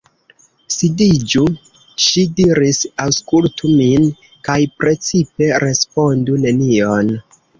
Sidiĝu, ŝi diris, aŭskultu min, kaj precipe respondu nenion.